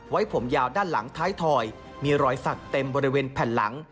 ไว้ผมยาวด้านหลังท้ายถอยมีรอยสักเต็มบริเวณแผ่นหลัง